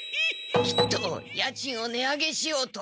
きっと家賃を値上げしようと。